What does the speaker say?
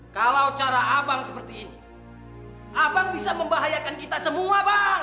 kalau cara abang seperti ini abang bisa membahayakan kita semua pak